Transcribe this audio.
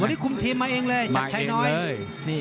วันนี้คุมทีมมาเองเลยจัดใช้น้อย